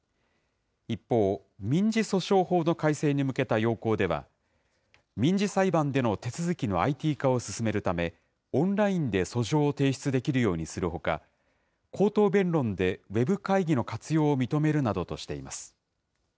一方、民事訴訟法の改正に向けた要綱では、民事裁判での手続きのＩＴ化を進めるため、オンラインで訴訟を提出できるようにするほか、口頭弁論でウェブ会議の活用を認めるなどとしています。